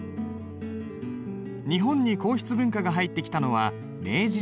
日本に硬筆文化が入ってきたのは明治時代。